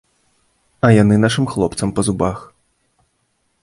А яны нашым хлопцам па зубах.